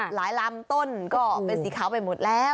ลำต้นก็เป็นสีขาวไปหมดแล้ว